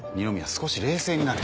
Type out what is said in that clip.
少し冷静になれ。